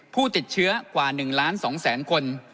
ผู้ติดเชื้อกว่า๑ล้าน๒แสนคน